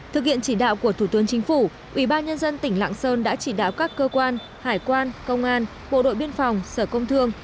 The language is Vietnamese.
thực hiện chỉ đạo của thủ tướng chính phủ ủy ban nhân dân tỉnh lạng sơn đã chỉ đạo các cơ quan hải quan công an bộ đội biên phòng sở công thương